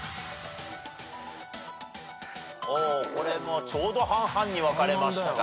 これもちょうど半々に分かれましたかね。